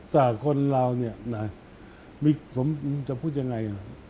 แต่คนเราเนี่ยนะจะพูดยังไง